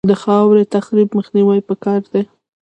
د خاورې تخریب مخنیوی پکار دی